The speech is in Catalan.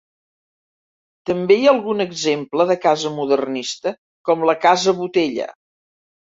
També hi ha algun exemple de casa modernista, com la casa Botella.